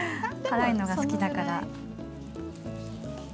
辛いのが好きだから。